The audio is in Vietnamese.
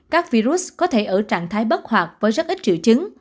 bệnh nhân có trạng thái bất hoạt với rất ít triệu chứng